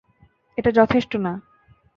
এটা যথেষ্ট না।